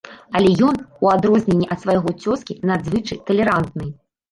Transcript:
Але ён, у адрозненні ад свайго цёзкі, надзвычай талерантны.